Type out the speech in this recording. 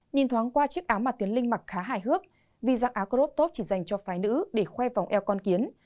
nhìn thoáng qua chiếc áo mà tiến linh mặc khá hài hước vì giặc áo crop top chỉ dành cho phái nữ để khoe vòng eo con kiến